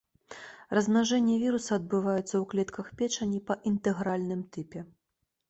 Размнажэнне віруса адбываецца ў клетках печані па інтэгральным тыпе.